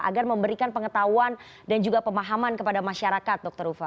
agar memberikan pengetahuan dan juga pemahaman kepada masyarakat